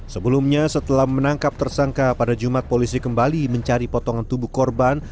sebelumnya setelah menangkap tersangka pada jumat polisi kembali mencari potongan tubuh korban